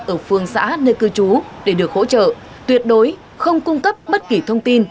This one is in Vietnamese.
ở phương xã nơi cư trú để được hỗ trợ tuyệt đối không cung cấp bất kỳ thông tin